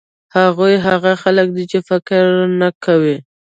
هغوی هغه خلک دي چې هېڅ فکر نه کوي.